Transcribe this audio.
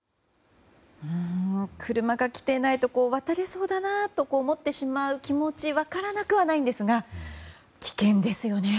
車が来ていないと渡れそうだなと思ってしまう気持ちも分からなくはないんですが危険ですよね。